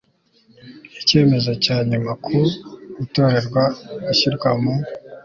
Icyemezo cya nyuma ku utorerwa gushyirwa mu